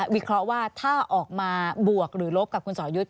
วิเคราะห์ว่าถ้าออกมาบวกหรือลบกับคุณสอยุทธ์